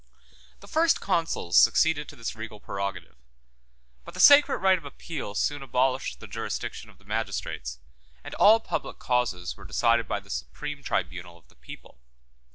The first consuls succeeded to this regal prerogative; but the sacred right of appeal soon abolished the jurisdiction of the magistrates, and all public causes were decided by the supreme tribunal of the people.